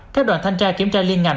các đoàn thanh tra kiểm tra liên ngành